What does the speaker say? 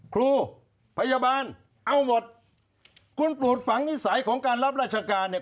ครูพยาบาลเอาหมดคุณปลูกฝังนิสัยของการรับราชการเนี่ย